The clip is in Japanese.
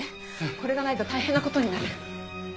これがないと大変な事になる。